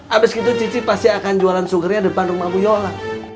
abis itu cici pasti akan jualan sugarnya depan rumah bu yola